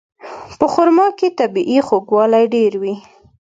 په خرما کې طبیعي خوږوالی ډېر وي.